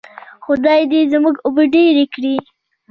خدای دې زموږ اوبه ډیرې کړي.